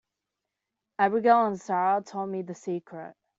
Abigail and Sara told me the secret.